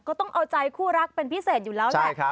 ก็ต้องเอาใจคู่รักเป็นพิเศษอยู่แล้วแหละ